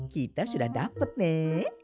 kita sudah dapet nek